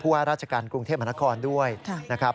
ว่าราชการกรุงเทพมหานครด้วยนะครับ